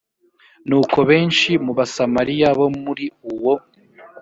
nuko benshi mu basamariya bo muri uwo